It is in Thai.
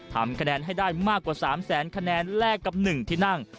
ทำคะแนนให้ได้มากกว่า๓แสนคะแนนแลกกับ๑ที่นั่ง